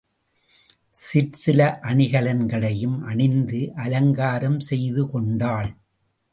சிற்சில அணிகலன்களையும் அணிந்து அலங்காரம் செய்துகொண்டாள்.